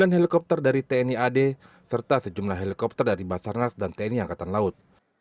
sembilan helikopter dari tni ad serta sejumlah helikopter dari basarnas dan tni angkatan laut